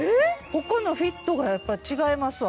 ここのフィットがやっぱ違いますわ。